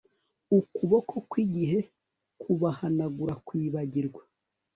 Ukuboko kwigihe kubahanagura kwibagirwa